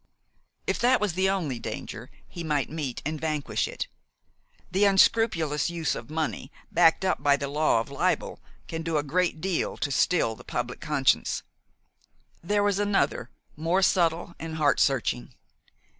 If that was the only danger, he might meet and vanquish it. The unscrupulous use of money, backed up by the law of libel, can do a great deal to still the public conscience. There was another, more subtle and heart searching.